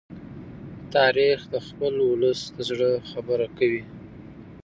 تاریخ د خپل ولس د زړه خبره کوي.